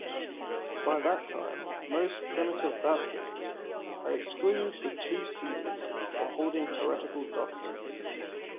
By that time, most Primitive Baptists had excluded the "Two-Seeders" for holding heretical doctrines.